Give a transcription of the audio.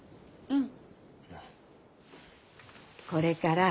うん。